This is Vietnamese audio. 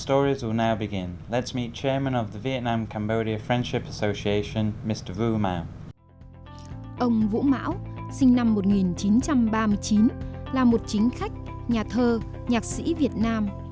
ông vũ mão sinh năm một nghìn chín trăm ba mươi chín là một chính khách nhà thơ nhạc sĩ việt nam